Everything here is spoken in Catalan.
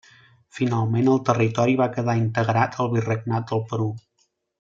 Finalment el territori va quedar integrat al Virregnat del Perú.